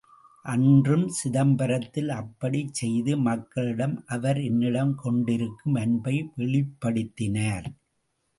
அன்றும் சிதம்பரத்தில் அப்படிச் செய்து மக்களிடம் அவர் என்னிடம் கொண்டிருக்கும் அன்பை வெளிப்படுத்தினார்.